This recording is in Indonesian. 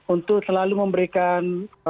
untuk selalu memberikan